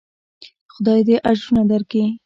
خداى دې اجرونه درکي.